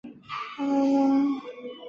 白金温泉